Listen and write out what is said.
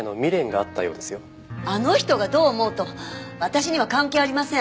あの人がどう思おうと私には関係ありません。